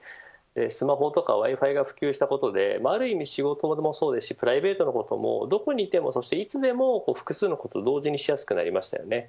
スマホやＷｉ‐Ｆｉが普及したことである意味仕事もそうですしプライベートもどこにいてもいつでも複数のことを同時にしやすくなりましたよね。